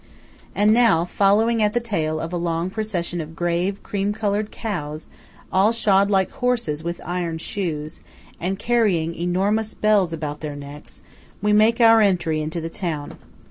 And now, following at the tail of a long procession of grave, cream coloured cows, all shod like horses with iron shoes, and carrying enormous bells about their necks–we make our entry into the town.